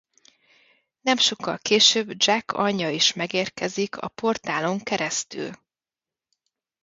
Nem sokkal később Jac anyja is megérkezik a portálon keresztül.